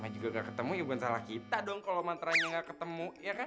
nama juga gak ketemu ya bukan salah kita dong kalo mantra nya gak ketemu